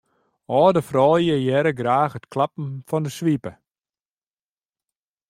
Alde fuorlju hearre graach it klappen fan 'e swipe.